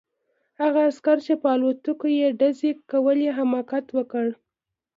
هغه عسکر چې په الوتکو یې ډزې کولې حماقت وکړ